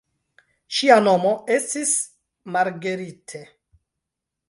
Ŝia nomo estis Marguerite.